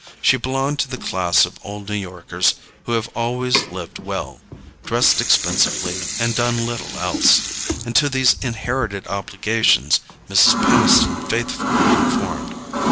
She belonged to the class of old New Yorkers who have always lived well, dressed expensively, and done little else; and to these inherited obligations Mrs. Peniston faithfully conformed.